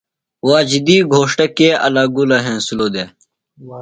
واجدی گھوݜٹہ کے الہ گُلہ ہنسِلوۡ دےۡ؟